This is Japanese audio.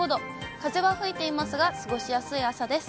風は吹いていますが、過ごしやすい朝です。